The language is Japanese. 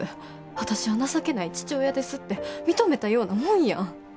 私は情けない父親ですって認めたようなもんやん。